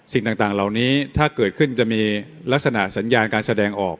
สิ่งต่างเหล่านี้ถ้าเกิดขึ้นจะมีลักษณะสัญญาการแสดงออก